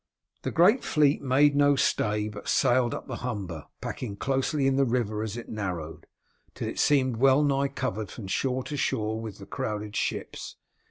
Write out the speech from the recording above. The great fleet made no stay but sailed up the Humber, packing closely in the river as it narrowed, till it seemed well nigh covered from shore to shore with the crowded ships.